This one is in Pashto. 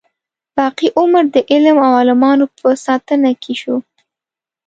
باقي عمر د علم او عالمانو په ساتنه کې شو.